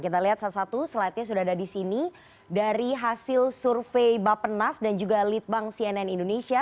kita lihat satu satu slide nya sudah ada di sini dari hasil survei bapenas dan juga litbang cnn indonesia